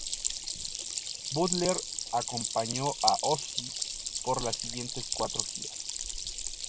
Butler acompañó a Ozzy por las siguientes cuatro giras.